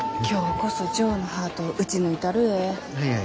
今日こそジョーのハートを撃ち抜いたるえ。